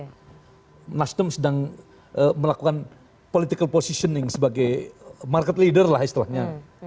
karena nasdem sedang melakukan political positioning sebagai market leader lah istilahnya